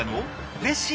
うれしい。